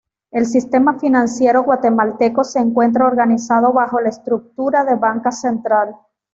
El sistema financiero guatemalteco se encuentra organizado bajo la estructura de Banca Central.